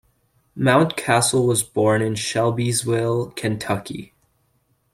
Mountcastle was born in Shelbyville, Kentucky.